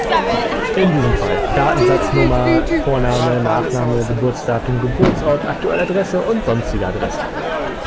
In diesem Fall: Datensatznummer, Vorname, Nachname, Geburtsdatum, Geburtsort, aktuelle Adresse und sonstige Adressen.